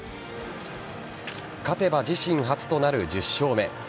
勝てば自身初となる１０勝目。